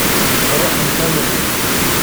Ṛuḥent-awen.